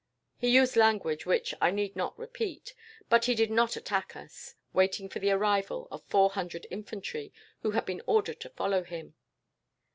He used language which I need not repeat, but he did not attack us, waiting for the arrival of four hundred infantry, who had been ordered to follow him.